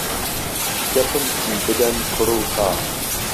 گهپم پی بدەن کوڕ و کاڵ